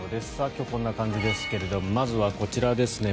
今日はこんな感じですけれどもまずはこちらですね。